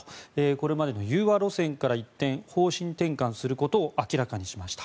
これまでの融和路線から一転方針転換することを明らかにしました。